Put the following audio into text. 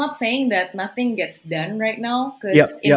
bahwa tidak ada yang bisa dilakukan sekarang